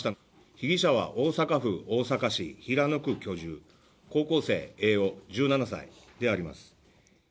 被疑者は大阪府大阪市平野区居住、高校生Ａ男１７歳であります。